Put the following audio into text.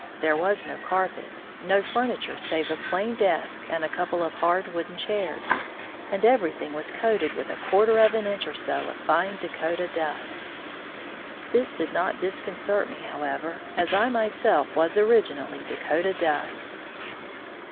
There was no carpet, no furni ture save a plain desk and a couple of hard wooden chairs, and everything was coated with a quarter of an inch or so of fine Dakota dust. This did not disconcert me, however, as I myself was originally Dakota dust!